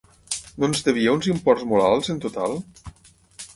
No ens devia uns imports molt alts, en total?